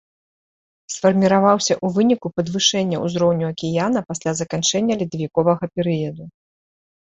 Сфарміраваўся ў выніку падвышэння ўзроўню акіяна пасля заканчэння ледавіковага перыяду.